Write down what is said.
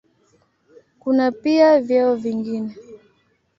Kuna pia vyeo vingine.